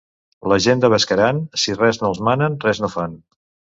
La gent de Bescaran, si res no els manen res no fan.